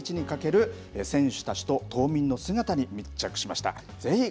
特別な１日にかける選手たちと島民の姿に密着しました。